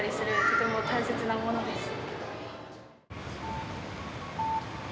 とても大切なものです。